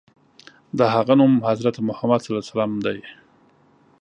د هغه نوم حضرت محمد ص دی.